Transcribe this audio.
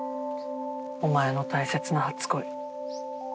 お前の大切な初恋